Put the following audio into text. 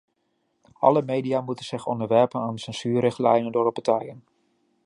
Alle media moeten zich onderwerpen aan de censuurrichtlijnen door de partijen.